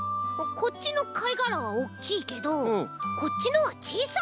こっちのかいがらはおっきいけどこっちのはちいさい！